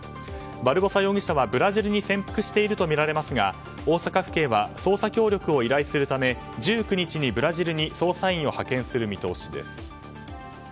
バルボサ容疑者はブラジルに潜伏しているとみられますが大阪府警は捜査協力を依頼するため１９日にブラジルに捜査員を派遣する見通しです。